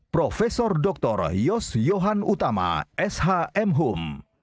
prof dr yos yohan utama shm hum